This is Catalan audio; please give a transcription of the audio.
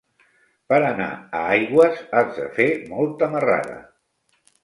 Per anar a Aigües has de fer molta marrada.